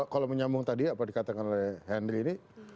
kalau menyambung tadi apa dikatakan oleh henry ini